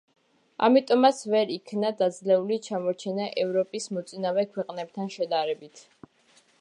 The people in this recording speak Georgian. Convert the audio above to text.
ამიტომაც ვერ იქნა დაძლეული ჩამორჩენა ევროპის მოწინავე ქვეყნებთან შედარებით.